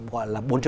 gọi là bốn